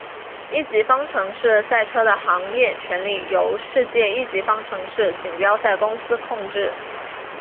一级方程式赛车的商业权利由世界一级方程式锦标赛公司控制。